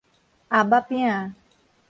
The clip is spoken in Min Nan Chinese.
盒仔餅